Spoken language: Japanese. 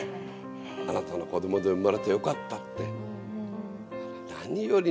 あなたの子どもに生まれてよかったって。